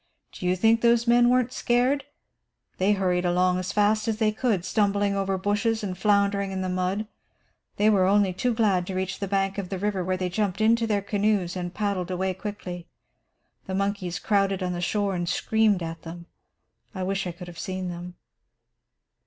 Do you think those men weren't scared? They hurried along as fast as they could, stumbling over bushes and floundering in the mud. They were only too glad to reach the bank of the river, where they jumped into the canoes and paddled quickly away. The monkeys crowded on the shore and screamed at them. I wish I could have seen them."